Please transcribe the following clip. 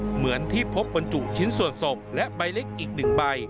เหมือนที่พบบรรจุชิ้นส่วนศพและใบเล็กอีก๑ใบ